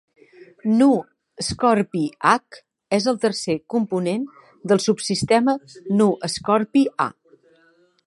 Nu Scorpii Ac és el tercer component del subsistema Nu Scorpii A.